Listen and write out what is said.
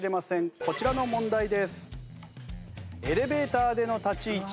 こちらの問題です。